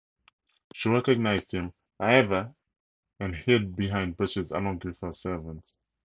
She recognised him, however, and hid behind bushes along with her servants.